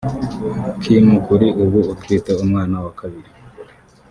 Kim kuri ubu utwite umwana wa kabiri